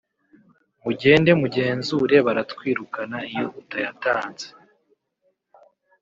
Mugende mugenzure baratwirukana iyo utayatanze